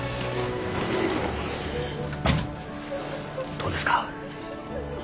どうですか？